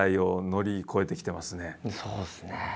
そうですね。